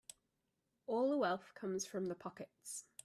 All the wealth comes from the pockets.